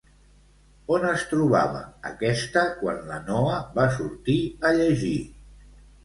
On es trobava aquesta quan la Noa va sortir a llegir?